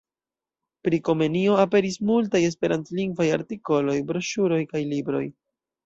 Pri Komenio aperis multaj esperantlingvaj artikoloj, broŝuroj kaj libroj.